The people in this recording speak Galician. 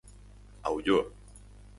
A Ulloa.